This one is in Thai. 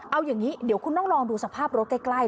เอาอย่างนี้เดี๋ยวคุณต้องลองดูสภาพรถใกล้